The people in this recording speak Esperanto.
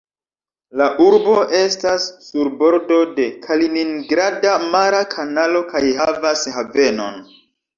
La urbo estas sur bordo de Kaliningrada mara kanalo kaj havas havenon.